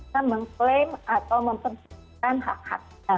dan mengklaim atau mempersempatikan hak hak